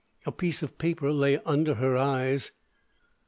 A piece of paper lay under her eyes.